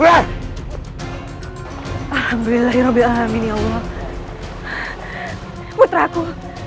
alhamdulillahirobbilalamin ya allah putra aku